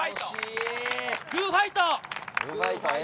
グーファイト！